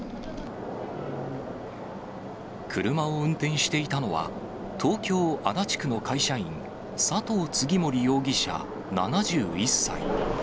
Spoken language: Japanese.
車を運転していたのは、東京・足立区の会社員、佐藤次守容疑者７１歳。